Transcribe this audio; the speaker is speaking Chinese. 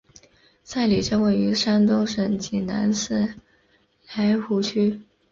寨里镇位于山东省济南市莱芜区。